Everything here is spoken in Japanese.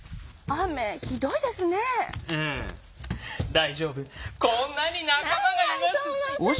大丈夫こんなに仲間がいます。